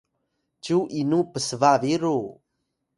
cyu inu psba biru?